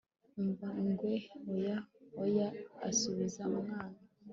umva, ingwe! - oh! oya, asubiza umwana